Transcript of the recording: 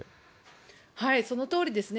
そのとおりですね。